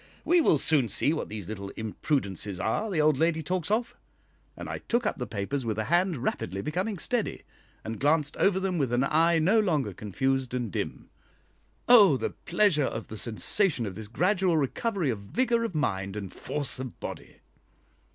We will soon see what these little imprudences are the old lady talks of." And I took up the papers with a hand rapidly becoming steady, and glanced over them with an eye no longer confused and dim. Oh the pleasure of the sensation of this gradual recovery of vigour of mind and force of body!